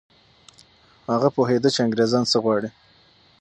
هغه پوهېده چي انګریزان څه غواړي.